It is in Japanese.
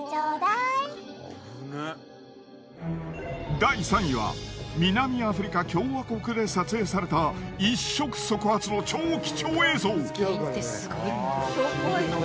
第３位は南アフリカ共和国で撮影された一触即発の超貴重映像。